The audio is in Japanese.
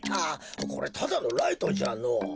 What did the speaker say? これただのライトじゃのぉ。